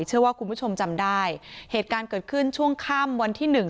เชื่อว่าคุณผู้ชมจำได้เหตุการณ์เกิดขึ้นช่วงค่ำวันที่หนึ่ง